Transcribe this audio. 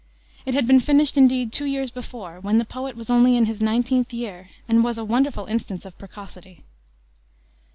It had been finished, indeed, two years before, when the poet was only in his nineteenth year, and was a wonderful instance of precocity.